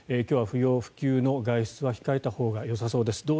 今日は不要不急の外出は控えたほうがよさそうです。